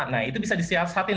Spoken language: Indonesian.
nah itu bisa disiasatin